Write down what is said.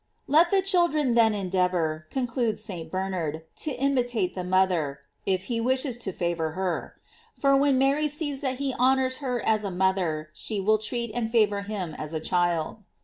Let the child then endeavor, concludes St. Bernard, to imitate the mother, if he desires her favor; for when Mary sees that he honors her as a mother she will treat and favor him as a child.